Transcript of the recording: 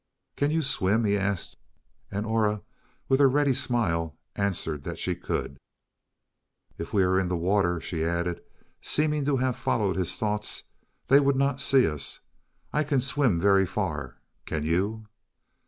"Can you swim?" he asked. And Aura, with her ready smile, answered that she could. "If we are in the water," she added, seeming to have followed his thoughts, "they would not see us. I can swim very far can you?"